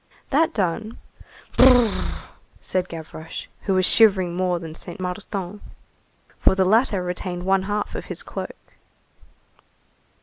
That done: "Brrr!" said Gavroche, who was shivering more than Saint Martin, for the latter retained one half of his cloak.